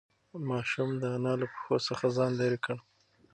ماشوم د انا له پښو څخه ځان لیرې کړ.